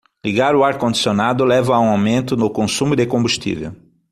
Ligar o ar condicionado leva a um aumento do consumo de combustível.